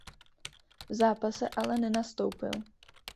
V zápase ale nenastoupil.